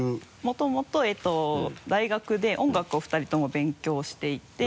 もともと大学で音楽を２人とも勉強していて。